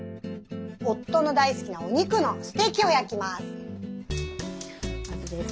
夫の大好きなお肉のステーキを焼きます。